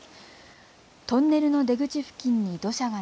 トンネルの出口付近に土砂が